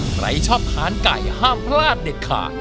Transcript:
ใครชอบทานไก่ห้ามพลาดเด็ดขาด